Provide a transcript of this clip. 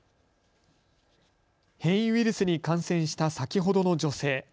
変異ウイルスに感染した先ほどの女性。